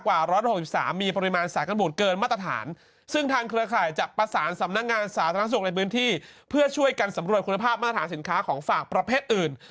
อาสาสนักศูนย์ในบื้นที่เพื่อช่วยกันสำรวจคุณภาพมาตรฐานสินค้าของฝากประเภทอื่น